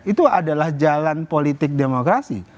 itu adalah jalan politik demokrasi